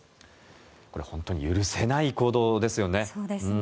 本当に許せない行動ですよね。